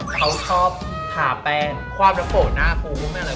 เค้าชอบถ่าแป้งความละโฟนหน้าพูดว่าไม่อะไร